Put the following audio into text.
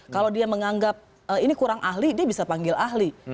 kalau dia menganggap ini kurang ahli dia bisa panggil ahli